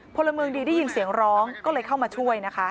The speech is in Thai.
พลเมืองดีได้ยินเสียงร้องก็เลยเข้ามาช่วยนะคะ